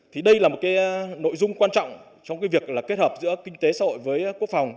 thì đây là một cái nội dung quan trọng trong việc kết hợp giữa kinh tế xã hội với quốc phòng